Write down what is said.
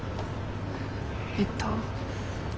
えっと。